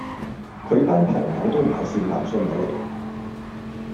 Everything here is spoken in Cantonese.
佢班朋友都唔係善男信女嚟